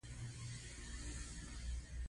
د هر توکي د مصرف ارزښت د هغه په موثریت کې دی